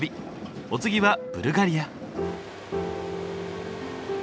お次はブルガリア。